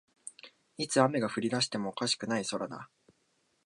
いつ雨が降りだしてもおかしくない空だ